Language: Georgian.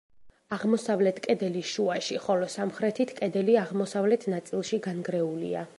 აღმოსავლეთ კედელი შუაში ხოლო სამხრეთით კედელი აღმოსავლეთ ნაწილში განგრეულია.